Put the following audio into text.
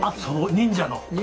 忍者の。